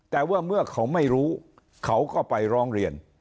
แต่ว่าเมื่อเขาไม่รู้เขาก็ไปร้องเรียน